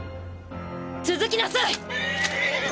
続きなさい！